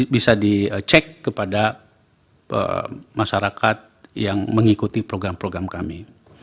bisa dicek kepada masyarakat yang mengikuti program program kami